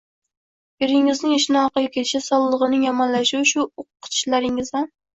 Eringizning ishini orqaga ketishi, sog`lig`ining yomonlashuvi shu o`qitishlaringizdan